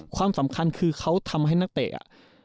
ความสำคัญคือเขาทำให้นักเตะอ่ะ